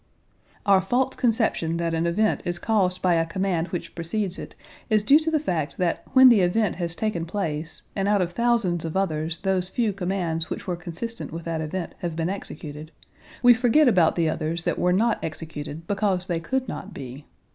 Our false conception that an event is caused by a command which precedes it is due to the fact that when the event has taken place and out of thousands of others those few commands which were consistent with that event have been executed, we forget about the others that were not executed because they could not be.